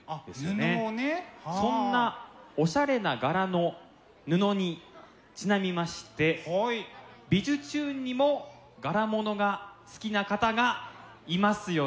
そんなおしゃれな柄の布にちなみまして「びじゅチューン！」にも柄物が好きな方がいますよね。